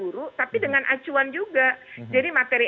guru tapi dengan acuan juga jadi materi